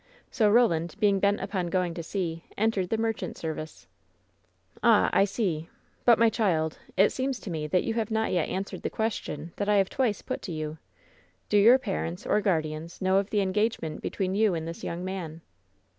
So Roland, being bent upon going to sea, en tered the merchant service." "Ah! I see. But, my child, it seems to me that you have not yet answered the question that I have twice ^ WHEN SHADOWS DIE 29 put to you: Do your parents, or guardians, know of the enfica^ement between you and this young man?"